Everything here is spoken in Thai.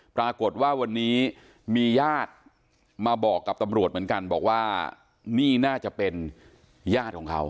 ปรากฏว่าวันนี้มีญาติมาบอกกับตำรวจเหมือนกันบอกว่านี่น่าจะเป็นญาติของเขา